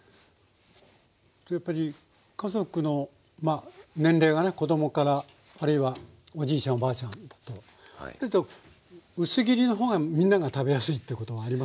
やっぱり家族のまあ年齢がね子供からあるいはおじいちゃんおばあちゃんだとそうすると薄切りの方がみんなが食べやすいってこともありますかね。